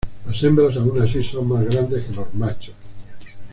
Las hembras aun así son más grandes que los machos.